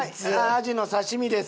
アジの刺身です。